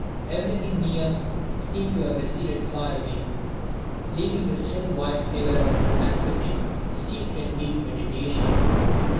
Everything near seemed to have receded far away, leaving the still white figure of an ascetic steeped in deep meditation.